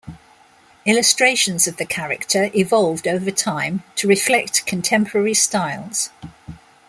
Illustrations of the character evolved over time to reflect contemporary styles.